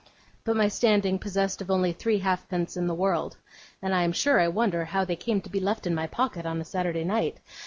But my standing possessed of only three halfpence in the world (and I am sure I wonder how they came to be left in my pocket on a Saturday night!)